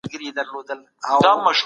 ولي قونسلګري په نړیواله کچه ارزښت لري؟